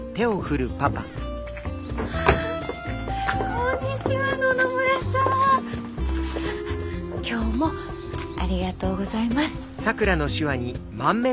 こんにちは野々村さん！今日もありがとうございます。